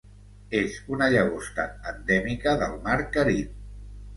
És una llagosta endèmica del Mar Carib.